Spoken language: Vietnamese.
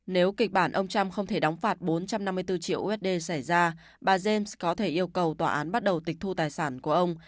nếu kịch bản ông trump không thể đóng phạt bốn trăm năm mươi bốn triệu usd xảy ra bà james có thể yêu cầu tòa án bắt đầu tịch thu tài sản của ông